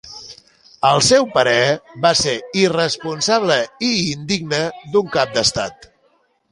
Al seu parer, va ser ‘irresponsable i indigne d’un cap d’estat’.